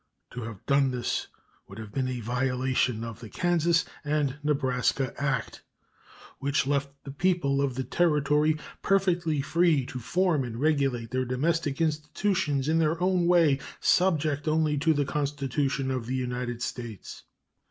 To have done this would have been a violation of the Kansas and Nebraska act, which left the people of the Territory "perfectly free to form and regulate their domestic institutions in their own way, subject only to the Constitution of the United States."